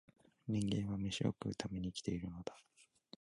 人間は、めしを食うために生きているのだ